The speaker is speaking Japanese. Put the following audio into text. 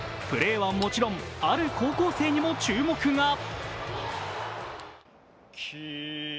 プレーはもちろん、ある高校生にも注目が。